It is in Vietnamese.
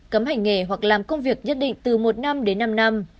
cấm hành nghề hoặc làm công việc nhất định từ một năm đến năm năm